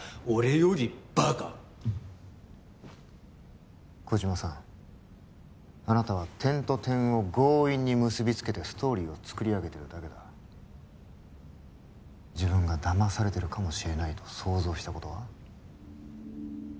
俺よりバカ児島さんあなたは点と点を強引に結びつけてストーリーを作り上げてるだけだ自分がだまされてるかもしれないと想像したことは？